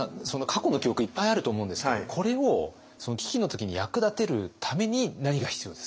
過去の記憶いっぱいあると思うんですけどこれをその危機の時に役立てるために何が必要ですか？